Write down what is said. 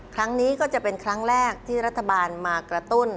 ครั้งนี้ก็จะเป็นครั้งแรกที่รัฐบาลมากระตุ้น